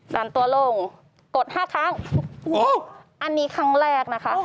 ดันตัวลงกดห้าครั้งอันนี้ครั้งแรกนะคะ